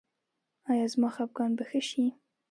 ایا زما خپګان به ښه شي؟